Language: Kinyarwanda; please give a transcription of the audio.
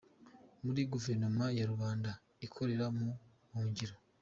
Muri Guverinoma ya rubanda ikorera mu buhungiro